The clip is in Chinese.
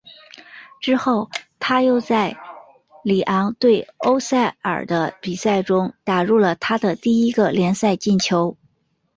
之后他又在里昂对欧塞尔的比赛中打入了他的第一个联赛进球。